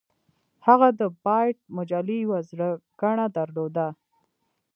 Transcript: هغه د بایټ مجلې یوه زړه ګڼه درلوده